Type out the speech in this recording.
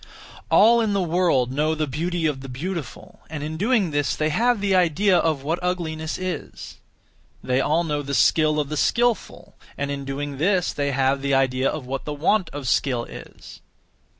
All in the world know the beauty of the beautiful, and in doing this they have (the idea of) what ugliness is; they all know the skill of the skilful, and in doing this they have (the idea of) what the want of skill is.